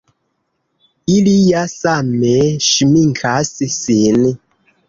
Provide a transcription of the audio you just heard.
Ili ja same ŝminkas sin!